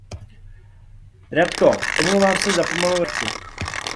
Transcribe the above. Radko, omlouvám se za pomalou reakci.